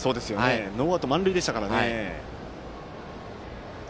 ノーアウト満塁でしたからね。